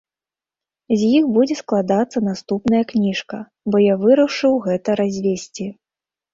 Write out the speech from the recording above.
З іх будзе складацца наступная кніжка, бо я вырашыў гэта развесці.